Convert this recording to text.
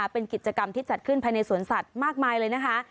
เป็นกิจกรรมที่จัดขึ้นภายในสวนสัตว์มากมายเลยนะคะ